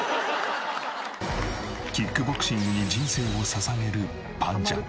キックボクシングに人生を捧げるぱんちゃん。